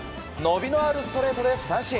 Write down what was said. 伸びのあるストレートで三振。